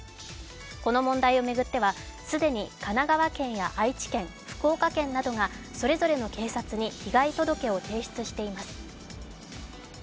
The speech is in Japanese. この問題を巡っては、既に神奈川県や愛知県、福岡県などがそれぞれの警察に被害届を提出しています。